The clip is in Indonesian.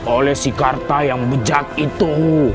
oleh si karta yang bijak itu